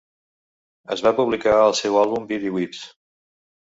Es va publicar al seu àlbum "Bede Weeps".